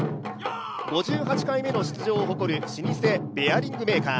５８回目の出場を誇る老舗ベアリングメーカー。